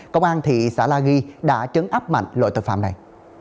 công an thị xã la ghi đã trấn áp mạnh loại tội phạm này